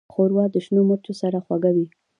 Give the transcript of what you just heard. ښوروا د شنو مرچو سره خوږه وي.